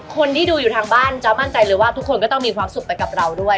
คนที่ดูอยู่ทางบ้านจ๊ะมั่นใจเลยว่าทุกคนก็ต้องมีความสุขไปกับเราด้วย